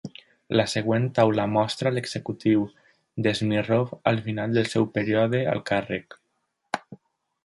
La següent taula mostra l'executiu de Smirnov al final del seu període al càrrec.